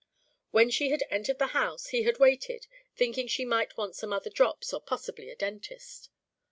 When she had entered the house, he had waited, thinking she might want some other drops or possibly a dentist.